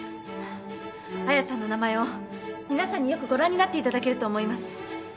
綾さんの名前を皆さんによくご覧になっていただけると思います。